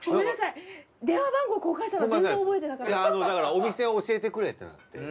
だからお店を教えてくれって。